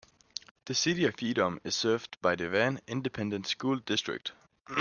The City of Edom is served by the Van Independent School District.